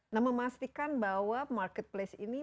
jadi bahwa marketplace ini